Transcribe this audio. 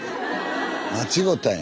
間違うたんや。